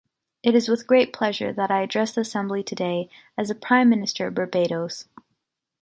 It is with great pleasure that I address the Assembly today as the Prime Minister of Barbados.